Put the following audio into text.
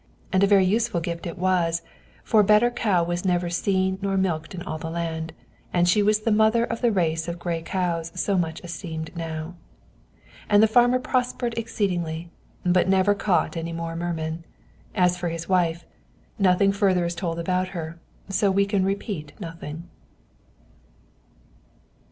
And a very useful gift it was, for better cow was never seen nor milked in all the land, and she was the mother of the race of gray cows so much esteemed now. And the farmer prospered exceedingly, but never caught any more mermen. As for his wife, nothing further is told about her, so we can repeat nothing.